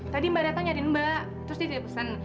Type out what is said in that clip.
tadi mbak datang nyari mbak terus dia tidak pesan